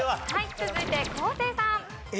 続いて昴生さん。ええ？